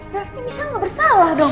berarti michelle gak bersalah dong